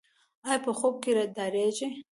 ایا په خوب کې ډاریږي؟